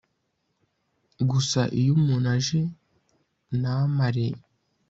Gusa iyo umuntu aje na mare